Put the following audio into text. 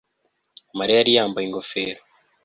Mariya yari yambaye ingofero